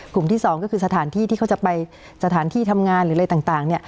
ที่๒ก็คือสถานที่ที่เขาจะไปสถานที่ทำงานหรืออะไรต่าง